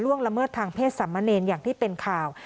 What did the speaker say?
ช่วงละเมิดทางเพศสามเณรอย่างที่เป็นข่าว